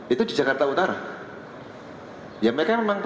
ide hidup ya klub